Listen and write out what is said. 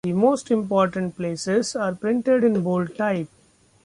The most important places are printed in bold type.